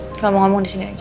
kalau mau ngomong di sini saja